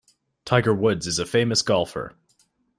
Tiger Woods is a famous golfer.